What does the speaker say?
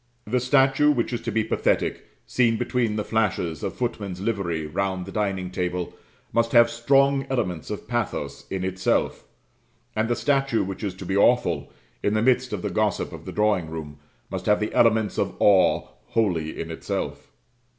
The statue which is to be pathetic, seen between the flashes of footmen's livery round the dining table, must have strong elements of pathos in itself; and the statue which is to be awful, in the midst of the gossip of the drawing room, must have the elements of awe wholly in itself.